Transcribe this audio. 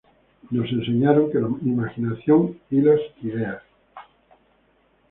nos enseñaron que la imaginación y las ideas